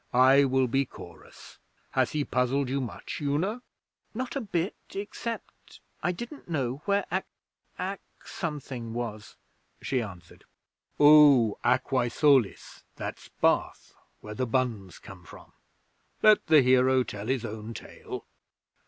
'I will be chorus. Has he puzzled you much, Una?' 'Not a bit, except I didn't know where Ak Ak something was,' she answered. 'Oh, Aquae Solis. That's Bath, where the buns come from. Let the hero tell his own tale.'